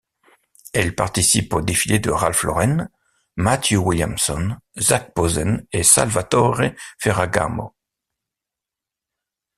Elle participe aux défilés de Ralph Lauren, Matthew Williamson, Zac Posen et Salvatore Ferragamo.